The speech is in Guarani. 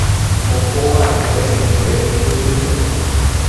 ohova'ekue upe yvytýpe